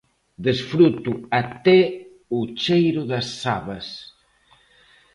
"Desfruto até o cheiro das sabas".